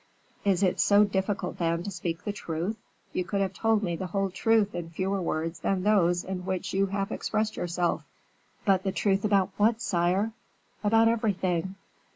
"Is it so difficult, then, to speak the truth? You could have told me the whole truth in fewer words than those in which you have expressed yourself." "But the truth about what, sire?" "About everything."